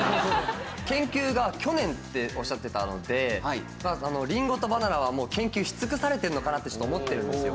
研究が去年っておっしゃってたのでりんごとバナナはもう研究し尽くされてるのかなってちょっと思ってるんですよ。